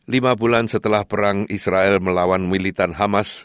lima bulan setelah perang israel melawan militan hamas